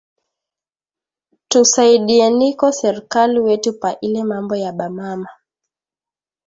Tu saidieniko serkali wetu pa ile mambo ya ba mama